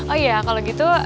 oh iya kalau gitu